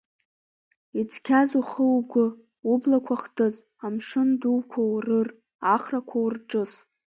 Ицқьаз ухы-угәы, ублақәа хтыз, амшын дуқәа урыр, ахрақәа урҿыс.